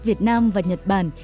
việt nam và nhật bản